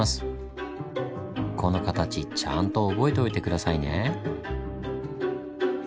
この形ちゃんと覚えといて下さいね。